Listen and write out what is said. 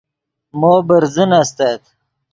مو برزن استت